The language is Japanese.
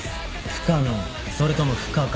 不可能それとも不可解。